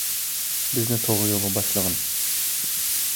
بىزنى توغرا يولغا باشلىغىن،